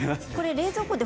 冷蔵庫で